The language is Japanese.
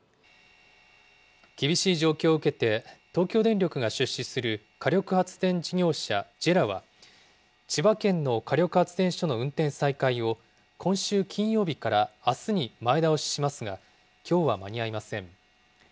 厳しい状況を受けて、東京電力が出資する火力発電事業者ＪＥＲＡは、千葉県の火力発電所の運転再開を今週金曜日からあすに前倒ししますが、きょうは間に合いません。